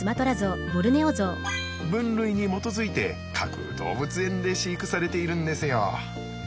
分類に基づいて各動物園で飼育されているんですよ。